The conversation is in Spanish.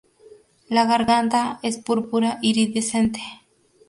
La garganta es púrpura iridiscente.